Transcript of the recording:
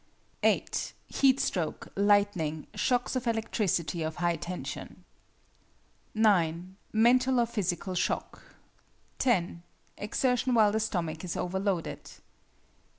8. Heat stroke, lightning, shocks of electricity of high tension. 9. Mental or physical shock. 10. Exertion while the stomach is overloaded.